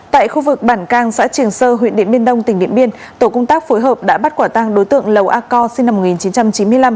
tại khu vực bản cang xã trường sơ huyện điện biên đông tỉnh điện biên tổ công tác phối hợp đã bắt quả tang đối tượng lầu a co sinh năm một nghìn chín trăm chín mươi năm